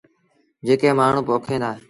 جيڪي مآڻهوٚݩ پوکين دآ۔